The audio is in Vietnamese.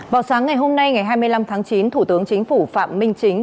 vào sáng ngày hôm nay ngày hai mươi năm tháng chín thủ tướng chính phủ phạm minh chính